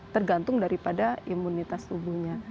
tergantung daripada imunitas tubuhnya